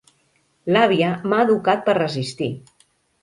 L'àvia m'ha educat per resistir.